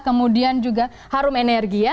kemudian juga harum energi ya